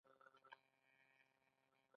ایا مصنوعي ځیرکتیا د انساني تخیل حدود نه تنګوي؟